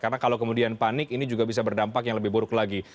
karena kalau kemudian panik ini juga bisa berdampak yang lebih buruk lagi